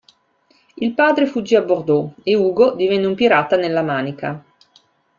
Il padre fuggì a Bordeaux, e Ugo divenne un pirata nella Manica.